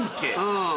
うん。